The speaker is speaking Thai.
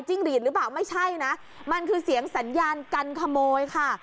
หลีดหรือเปล่าไม่ใช่นะมันคือเสียงสัญญาณกันขโมยค่ะ